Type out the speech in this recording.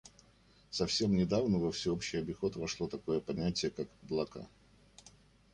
Совсем недавно во всеобщий обиход вошло такое понятие как «облака».